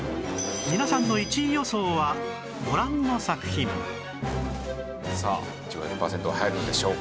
皆さんの１位予想はご覧の作品さあ『いちご １００％』は入るのでしょうか？